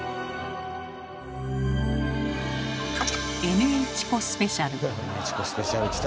「ＮＨコスペシャル」きた！